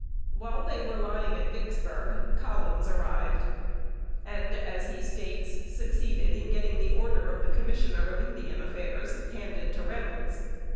While they were lying at Vicksburg, Collins arrived, and, as he states, "succeeded in getting the order of the Commissioner of Indian Affairs handed to Reynolds."